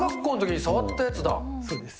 そうです。